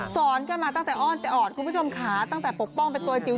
สอนกันมาตั้งแต่อ้อนแต่ออดคุณผู้ชมขาตั้งแต่ปกป้องเป็นตัวจิ๋ว